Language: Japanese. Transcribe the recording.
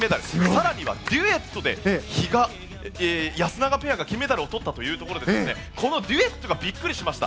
更にはデュエットで比嘉、安永ペアが金メダルをとったということでデュエットがビックリしました。